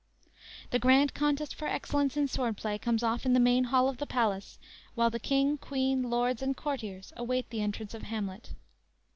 The grand contest for excellence in sword play comes off in the main hall of the palace, while the King, Queen, lords and courtiers await the entrance of Hamlet.